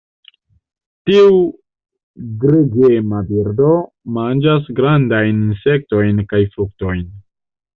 Tiu gregema birdo manĝas grandajn insektojn kaj fruktojn.